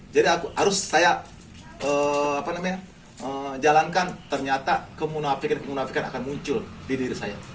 jadi harus saya jalankan ternyata kemunafikan kemunafikan akan muncul di diri saya